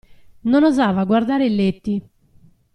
Non osava guardare i letti.